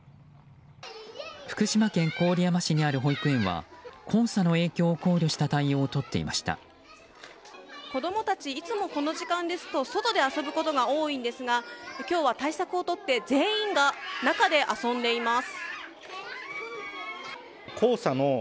福島県郡山市にある保育園では黄砂の影響を子供たちいつもこの時間ですと外で遊ぶことが多いんですが今日は対策をとって全員が中で遊んでいます。